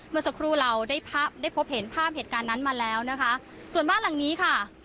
เมื่อสักครู่เราได้ภาพได้พบเห็นภาพเหตุการณ์นั้นมาแล้วนะคะส่วนบ้านหลังนี้ค่ะ